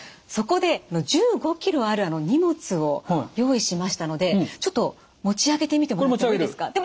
そこで１５ｋｇある荷物を用意しましたのでちょっと持ち上げてみてもらっていいですか？